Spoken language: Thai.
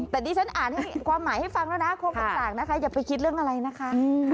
แต่ดิฉันอ่านให้ความหมายให้ฟังแล้วนะความต่างนะคะอย่าไปคิดเรื่องอะไรนะคะ